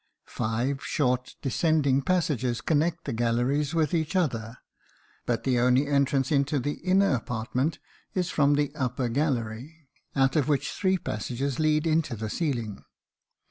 Five short, descending passages connect the galleries with each other, but the only entrance into the inner apartment is from the upper gallery, out of which three passages lead into the ceiling.